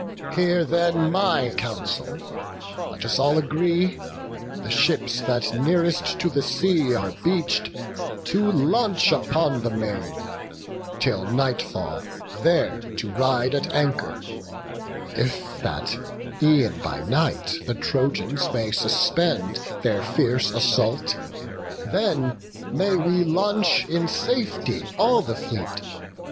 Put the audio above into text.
Hear then my counsel; let us all agree The ships that nearest to the sea are beach'd To launch upon the main, till nightfall there To ride at anchor: if that e'en by night The Trojans may suspend their fierce assault; Then may we launch in safety all the fleet.